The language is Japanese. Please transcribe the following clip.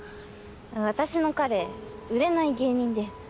私の彼売れない芸人で。